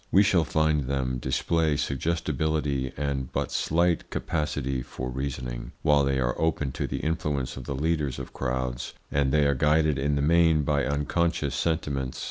We shall find them display suggestibility and but slight capacity for reasoning, while they are open to the influence of the leaders of crowds, and they are guided in the main by unconscious sentiments.